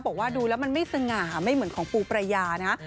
บอกว่าดูแล้วมันไม่สง่าไม่เหมือนของปูประยานะ